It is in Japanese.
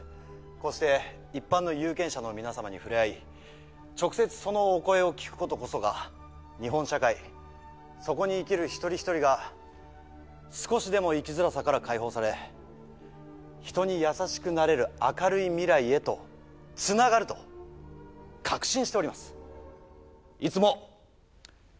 こうして一般の有権者の皆様に触れ合い、直接そのお声を聞くことこそが、日本社会、そこに生きる一人一人が少しでも生きづらさから解放され、人に優しくなれる明るい未来へとつながると確信しております。